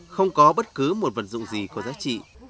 không có bất cứ một vật dụng gì có giá trị